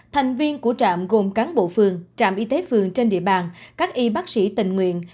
thành viên của trạm gồm cán bộ phường trạm y tế phường trên địa bàn các y bác sĩ tình nguyện